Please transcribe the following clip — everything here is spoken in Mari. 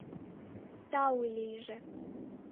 — Тау лийже!